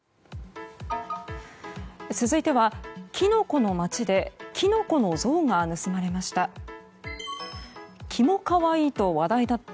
続いてはキノコの町で、キノコの像が盗まれました。